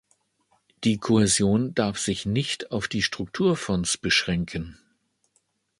Die Kohäsion darf sich nicht auf die Strukturfonds beschränken.